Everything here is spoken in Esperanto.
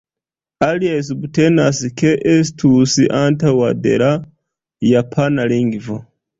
Aliaj subtenas ke estus antaŭa de la japana lingvo.